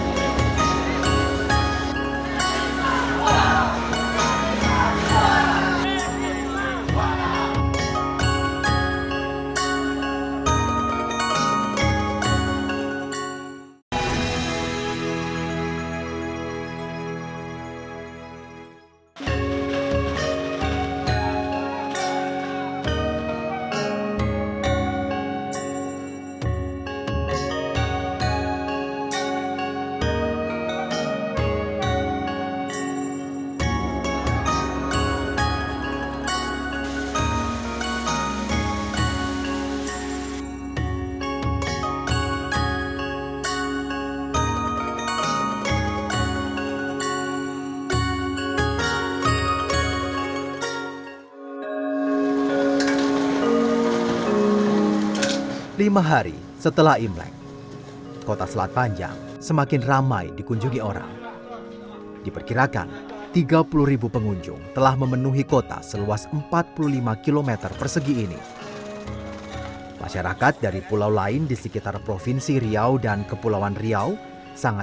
tiwati pasukan yang rochester v besides